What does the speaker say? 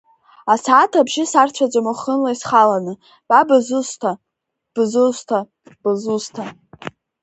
Асааҭ абжьы сарцәаӡом уахынла исхаланы, ба бызусҭа, бызусҭа, бызусҭа?